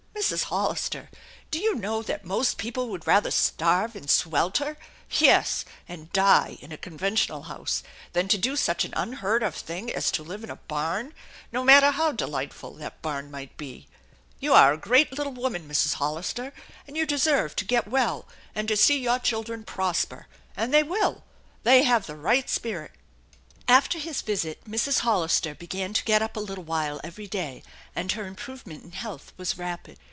" Mrs. Hollister, do you know that most people would rather starve and swelter, yes and die in a conventional house, than to do such an unheard of thing as to live in a barn, no matter how delightful that barn might be ? You are a great little woman, Mrs. Hollister, and you deserve to get well, and to see your children prosper. And they will. They have the right spirit. 5 ' After his visit Mrs. Hollister began to get up a little while every day, and her improvement in health was rapid.